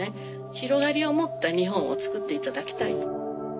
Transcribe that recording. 広がりを持った日本をつくって頂きたい。